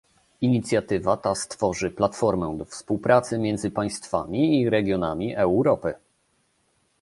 Inicjatywa ta stworzy platformę do współpracy między państwami i regionami Europy